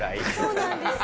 そうなんですよ。